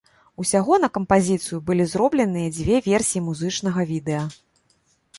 Усяго на кампазіцыю былі зробленыя дзве версіі музычнага відэа.